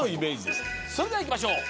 それではいきましょう